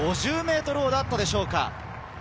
５０ｍほどあったでしょうか